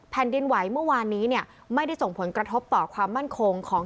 แผ่นดินไหวเมื่อวานนี้เนี่ยไม่ได้ส่งผลกระทบต่อความมั่นคงของ